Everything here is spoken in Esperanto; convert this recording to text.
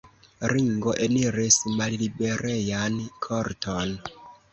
Ringo eniris malliberejan korton.